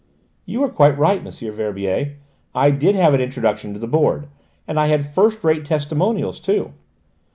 "You are quite right, M. Verbier: I did have an introduction to the Board: and I had first rate testimonials too."